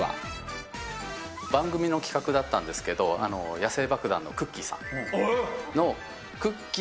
番組の企画だったんですけど、野生爆弾のクッキーさんのくっきー！